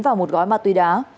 và một gói ma túy đá